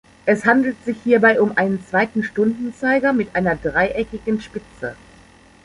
Es handelt sich hierbei um einen zweiten Stundenzeiger mit einer dreieckigen Spitze.